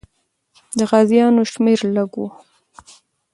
د غازیانو شمېر لږ وو.